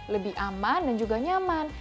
lebih aman dan juga nyaman